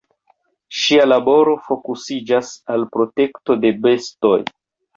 Ŝia laboro fokusiĝas al protekto de bestoj.